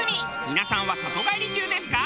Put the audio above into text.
皆さんは里帰り中ですか？